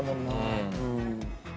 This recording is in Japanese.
うん。